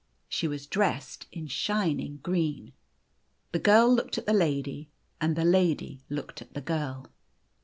She was dressed in shining green. The girl looked at the lady, and the lady looked at the girl.